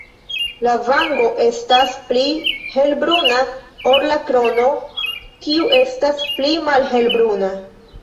La vango estas pli helbruna ol la krono kiu estas pli malhelbruna.